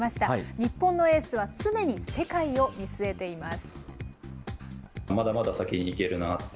日本のエースは常に世界を見据えています。